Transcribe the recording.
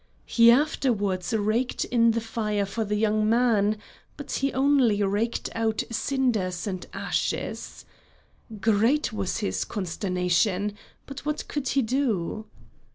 He afterwards raked in the fire for the young man but he only raked out cinders and ashes. Great was his consternation, but what could he do?